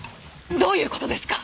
どういうことですか？